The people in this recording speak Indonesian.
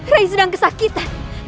rai sedang kesakitan